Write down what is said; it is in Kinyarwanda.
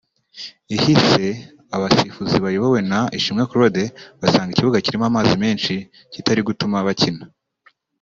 ihise abasifuzi bayobowe na Ishimwe Claude basanga ikibuga kirimo amazi menshi kitari gutuma bakina